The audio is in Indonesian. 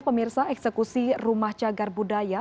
pemirsa eksekusi rumah cagar budaya